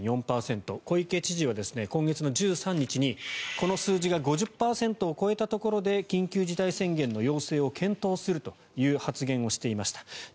小池知事は今月１３日にこの数字が５０％を超えたところで緊急事態宣言の要請を検討するという発言をしていました。